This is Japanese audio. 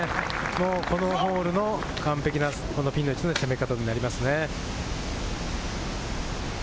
このホールの完璧なピンの位置の攻め方になりますね。